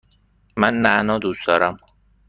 من نعنا دوست دارم.